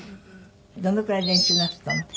どのくらい練習なすったの？